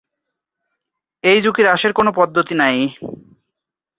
এই ঝুঁকি হ্রাসের কোন পদ্ধতি নাই।